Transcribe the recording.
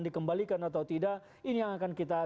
dikembalikan atau tidak ini yang akan kita